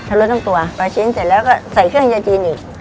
ลดทั้งตัวปลาชิ้นเสร็จแล้วก็ใส่เครื่องยาจีนอีก